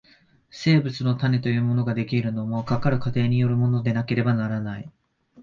生物の種というものが出来るのも、かかる過程によるものでなければならない。